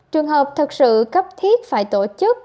trường hợp thật sự cấp thiết phải tổ chức